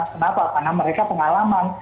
kenapa karena mereka pengalaman